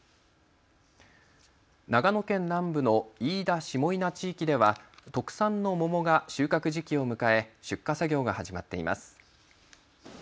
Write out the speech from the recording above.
長野県南部の飯田下伊那地域では特産の桃が収穫時期を迎え出荷作業が始まっています。